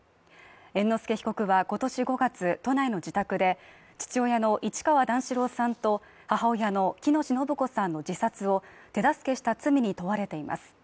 猿之助被告は今年５月、都内の自宅で父親の市川段四郎さんと母親の喜熨斗延子さんの自殺を手助けした罪に問われています。